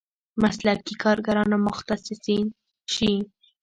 مسلکي کارګران او متخصصین شي.